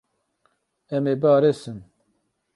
Em ê biarêsin.